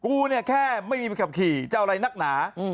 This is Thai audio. กูเนี่ยแค่ไม่มีใบขับขี่จะเอาอะไรนักหนา